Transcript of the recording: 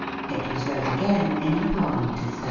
5 It was read again in the Parliament of 1380.